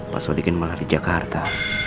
pak sodikin malah di jakarta